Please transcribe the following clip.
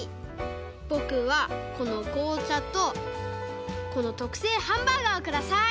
ぼくはこのこうちゃとこのとくせいハンバーガーをください！